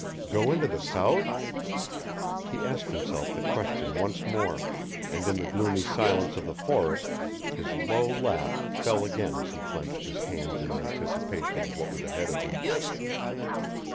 Go into the South? He asked himself the question once more, and in the gloomy silence of the forest his low laugh fell again as he clenched his hands in anticipation of what was ahead of him.